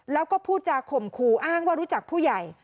แล้วก็พูดจาข่มขู่อ้างว่ารู้จักผู้ใหญ่